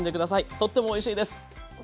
とってもおいしいです。